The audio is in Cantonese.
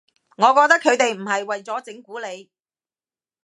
我覺得佢哋唔係為咗整蠱你